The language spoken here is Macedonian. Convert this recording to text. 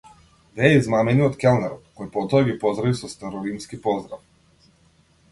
Беа измамени од келнерот, кој потоа ги поздрави со староримски поздрав.